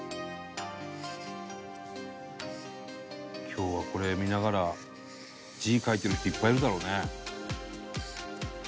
今日はこれ見ながら字書いてる人いっぱいいるだろうね。